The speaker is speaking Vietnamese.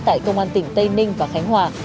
tại công an tỉnh tây ninh và khánh hòa